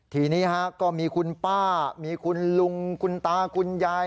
ทีนี้ก็มีคุณป้ามีคุณลุงคุณตาคุณยาย